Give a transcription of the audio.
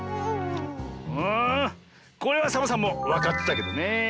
んこれはサボさんもわかってたけどねえ。